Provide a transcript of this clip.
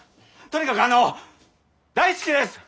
とにかくあの大好きです！